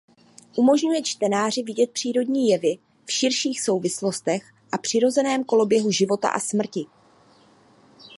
Umožňuje čtenáři vidět přírodní jevy v širších souvislostech a přirozeném koloběhu života a smrti.